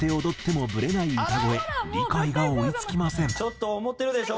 「ちょっと思ってるでしょ？